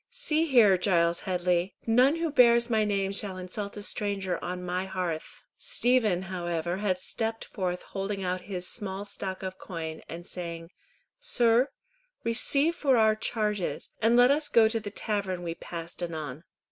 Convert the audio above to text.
"See here, Giles Headley, none who bears my name shall insult a stranger on my hearth." Stephen however had stepped forth holding out his small stock of coin, and saying, "Sir, receive for our charges, and let us go to the tavern we passed anon."